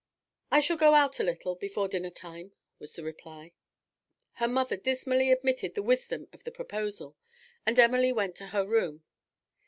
'I shall go out a little, before dinner time,' was the reply. Her mother dismally admitted the wisdom of the proposal, and Emily went to her room.